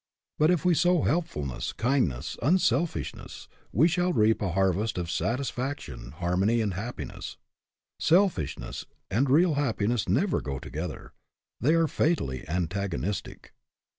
But if we sow helpfulness, kindness, unselfishness, we shall reap a harvest of satisfaction, harmony, and happiness. Self ishness and real happiness never go together. They are fatally antagonistic.